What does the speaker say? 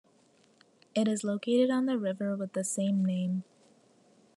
It is located on the river with the same name.